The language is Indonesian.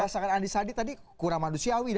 pasangan andi sandi tadi kurang manusiawi